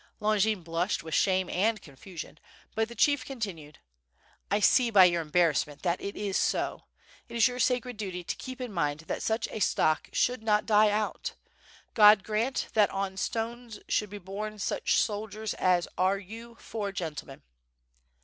Longin blushed with shame and confusion, but the chief continued: "I see by your embarrassment that it is so. It is your sacred duty to keep in mind that such a stock should not die out. God grant that on stones should be born such soldiers as are you four gentlemen."